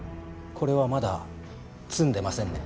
これはまだ詰んでませんね。